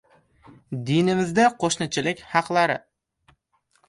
Dinimizda qo‘shnichilik haqlari